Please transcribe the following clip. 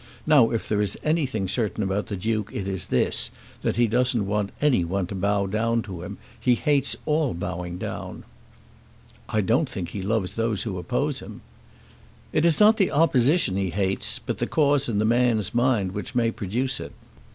Now if there is anything certain about the Duke it is this, that he doesn't want any one to bow down to him. He hates all bowing down." "I don't think he loves those who oppose him." "It is not the opposition he hates, but the cause in the man's mind which may produce it.